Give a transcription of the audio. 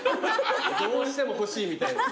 どうしても欲しいみたい。